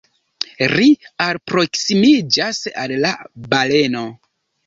Ri alproksimiĝas al la baleno.